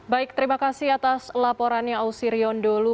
baik terima kasih atas laporannya ausi riondolu